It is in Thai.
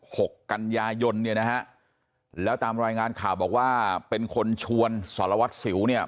หกกันยายนเนี่ยนะฮะแล้วตามรายงานข่าวบอกว่าเป็นคนชวนสารวัตรสิวเนี่ย